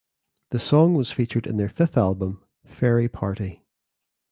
The song was featured in their fifth album "Fairy Party".